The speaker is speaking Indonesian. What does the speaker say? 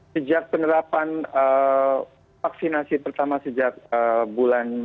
sejak penerapan vaksinasi pertama sejak bulan